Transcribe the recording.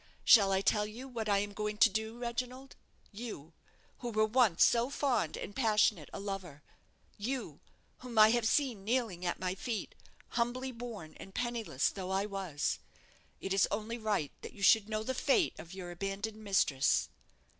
Shall I tell you what I am going to do, Reginald? You, who were once so fond and passionate a lover you, whom I have seen kneeling at my feet, humbly born and penniless though I was it is only right that you should know the fate of your abandoned mistress.